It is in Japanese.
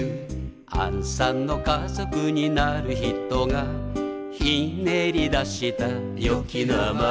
「あんさんの家族になる人がひねり出したよき名前」